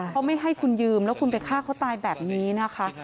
เขาไม่ให้คุณยืมแล้วคุณไปฆ่าเขาตายแบบนี้นะคะ